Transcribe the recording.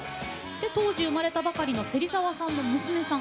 で、当時、生まれたばかりの芹澤さんの娘さん